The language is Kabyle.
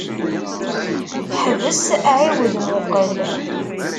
Ḥbes ɛiwed muqel.